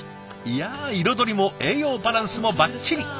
いや彩りも栄養バランスもバッチリ。